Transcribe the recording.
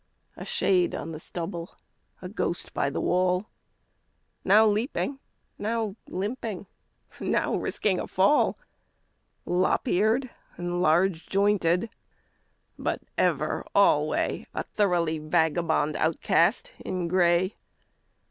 A shade on the stubble, a ghost by the wall, Now leaping, now limping, now risking a fall, Lop eared and large jointed, but ever alway A thoroughly vagabond outcast in gray.